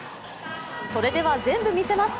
それでは、全部見せます。